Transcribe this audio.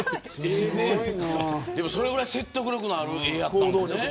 そのぐらい説得力のある絵やったんやね。